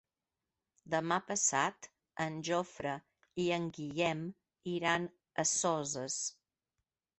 Demà passat en Jofre i en Guillem iran a Soses.